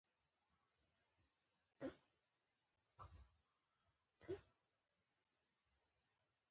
ما شوک خوړلی و او کلیوال زما خواته راغلل